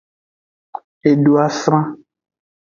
E do asra.